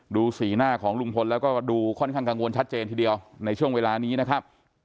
ดูสีหน้าของลุงพลแล้วก็ดูค่อนข้างกังวลชัดเจนทีเดียวในช่วงเวลานี้นะครับ